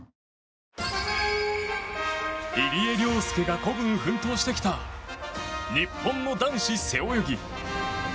入江陵介が孤軍奮闘してきた日本の男子背泳ぎ。